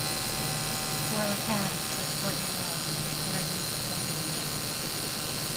For Lacan such courtly love was 'a paradigm of sublimation'.